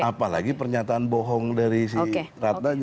apalagi pernyataan bohong dari si ratna